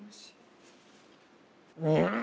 うん！